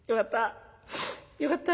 よかった。